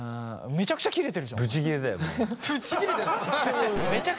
めちゃくちゃ切れてるじゃん。